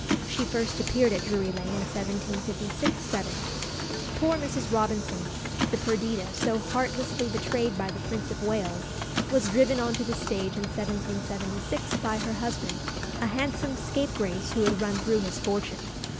She first appeared at Drury Lane in 1756 7. Poor Mrs. Robinson, the "Perdita" so heartlessly betrayed by the Prince of Wales, was driven on to the stage in 1776 by her husband, a handsome scapegrace who had run through his fortune.